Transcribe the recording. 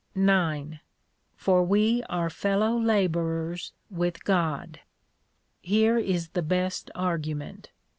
9. For we are fellow labourers with God. Here is the best argument.